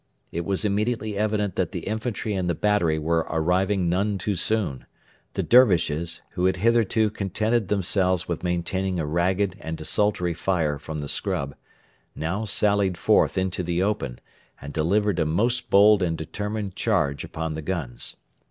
It was immediately evident that the infantry and the battery were arriving none too soon. The Dervishes, who had hitherto contented themselves with maintaining a ragged and desultory fire from the scrub, now sallied forth into the open and delivered a most bold and determined charge upon the guns.